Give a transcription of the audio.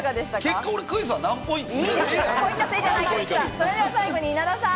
結果、俺、クイズは何ポイント？